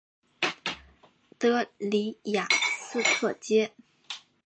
的里雅斯特街。